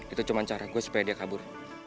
itu cuma cara gue supaya dia kabur